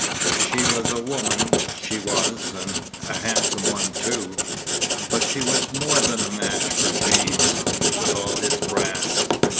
She was a woman, she was, and a handsome one too; but she was more than a match for James, with all his brass.